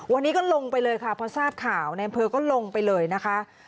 วันนี้ก็ลงไปเลยค่ะพอทราบข่าวในอำเภอก็ลงไปเลยนะคะ